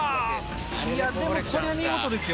いやでもこれは見事ですよ